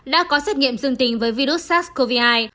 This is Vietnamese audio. đã có xét nghiệm dương tính với virus sars cov hai